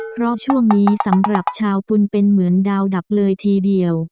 เพราะช่วงนี้สำหรับชาวกุลเป็นเหมือนดาวดับเลยทีเดียว